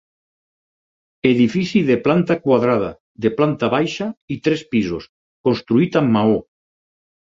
Edifici de planta quadrada, de planta baixa i tres pisos, construït amb maó.